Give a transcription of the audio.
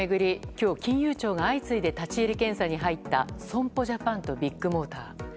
今日、金融庁が相次いで立ち入り検査に入った損保ジャパンとビッグモーター。